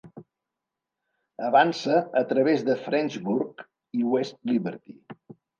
Avança a través de Frenchburg i West Liberty.